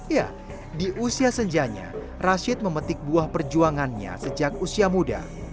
ya di usia senjanya rashid memetik buah perjuangannya sejak usia muda